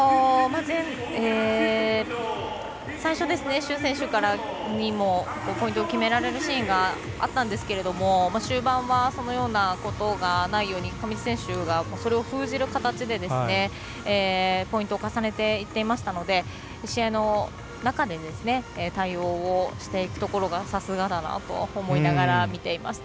最初、朱選手にもポイントを決められるシーンがあったんですけれども終盤はそのようなことがないように上地選手がそれを封じる形でポイントを重ねていっていましたので試合の中で対応をしていくところがさすがだなとは思いながら見ていました。